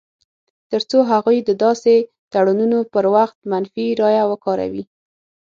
تر څو هغوی د داسې تړونونو پر وخت منفي رایه وکاروي.